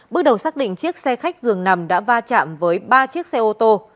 bước đầu xác định chiếc xe khách dường nằm đã va chạm với ba chiếc xe ô tô